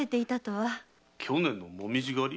去年の紅葉狩り？